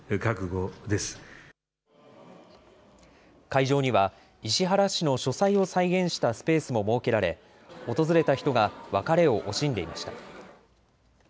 会場には石原氏の書斎を再現したスペースも設けられ訪れた人が別れを惜しんでいました。